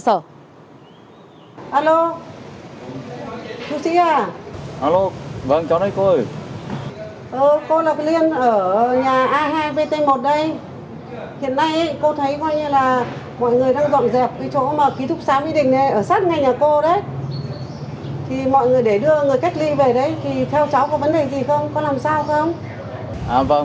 thì mọi người để đưa người cách ly về đấy thì theo cháu có vấn đề gì không có làm sao không